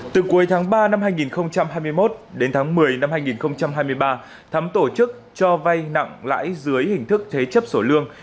từ cuối tháng ba năm hai nghìn hai mươi một đến tháng một mươi năm hai nghìn hai mươi ba thắm tổ chức cho vay nặng lãi dưới hình thức thế chấp sổ lương